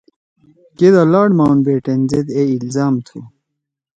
کئیدا لارڈماؤنٹ بیٹن زید اے الزام تُھو۔